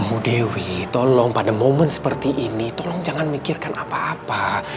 bu dewi tolong pada momen seperti ini tolong jangan mikirkan apa apa